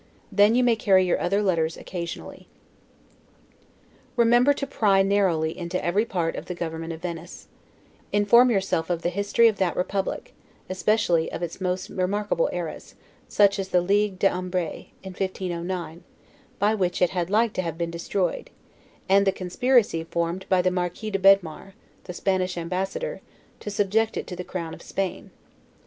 Then you may carry your other letters occasionally. Remember to pry narrowly into every part of the government of Venice: inform yourself of the history of that republic, especially of its most remarkable eras; such as the Ligue de eambray, in 1509, by which it had like to have been destroyed; and the conspiracy formed by the Marquis de Bedmar, the Spanish Ambassador, to subject it to the Crown of Spain.